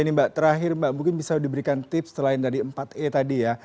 ini mbak terakhir mbak mungkin bisa diberikan tips selain dari empat e tadi ya